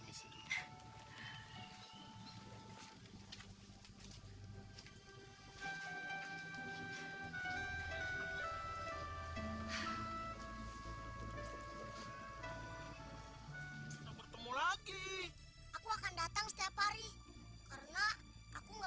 kalau begitu saya permisi dulu